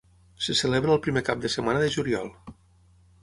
Se celebra el primer cap de setmana de juliol.